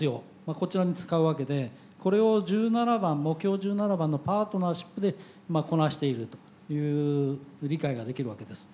こちらに使うわけでこれを１７番目標１７番のパートナーシップでこなしているという理解ができるわけです。